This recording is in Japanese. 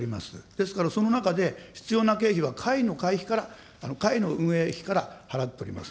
ですからその中で、必要な経費は会の会費から、会の運営費から払っております。